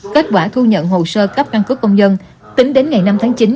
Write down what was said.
kết quả thu nhận hồ sơ cấp căn cước công dân tính đến ngày năm tháng chín